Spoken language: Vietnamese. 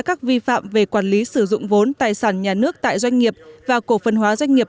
các vi phạm về quản lý sử dụng vốn tài sản nhà nước tại doanh nghiệp và cổ phần hóa doanh nghiệp